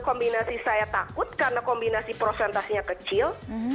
kombinasi saya takut karena kombinasi prosentasenya kecil